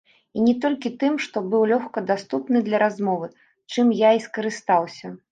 І не толькі тым, што быў лёгка даступны для размовы, чым я і скарыстаўся.